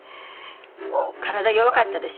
体弱かったでしょ？